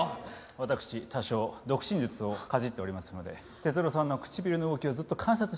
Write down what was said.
私多少読唇術をかじっておりますので哲郎さんの唇の動きをずっと観察しておりました。